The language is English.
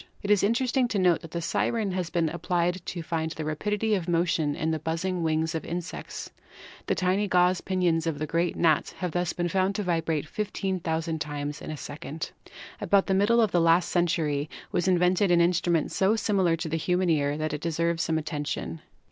It is interesting to note that the siren has been ap plied to find the rapidity of motion in the buzzing wings of insects. The tiny gauze pinions of the gnat have thus been found to vibrate 15,000 times in a second. About the middle of the last century was invented an instrument so similar to the human ear that it deserves some attention.